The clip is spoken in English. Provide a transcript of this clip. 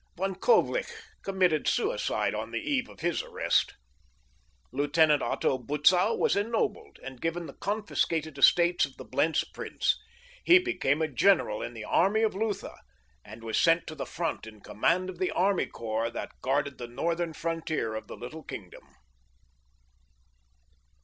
Von Coblich committed suicide on the eve of his arrest. Lieutenant Otto Butzow was ennobled and given the confiscated estates of the Blentz prince. He became a general in the army of Lutha, and was sent to the front in command of the army corps that guarded the northern frontier of the little kingdom.